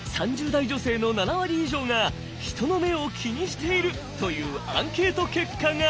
２０代３０代女性の７割以上が人の目を気にしているというアンケート結果が！